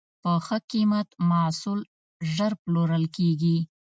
په ښه قیمت محصول ژر پلورل کېږي.